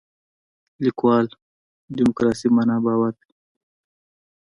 لیکوال دیموکراسي معنا باور دی.